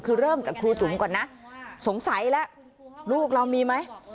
คือเริ่มจากครูจุ๋มก่อนนะสงสัยแล้วลูกเรามีไหม